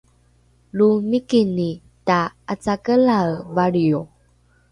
lo mikini ta’acakelae valrio